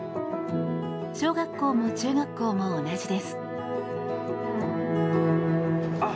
小学校も中学校も同じです。